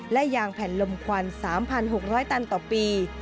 และยางแผ่นลมควัน๓๖๐๐ตันต่อปี